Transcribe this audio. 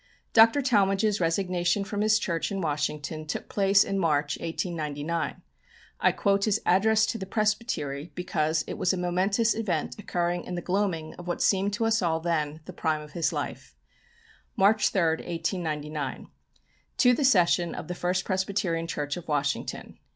Dr. Talmage's resignation from his church in Washington took place in March, 1899. I quote his address to the Presbytery because it was a momentous event occurring in the gloaming of what seemed to us all, then, the prime of his life: "March 3, 1899. "To the Session of the First Presbyterian Church of Washington.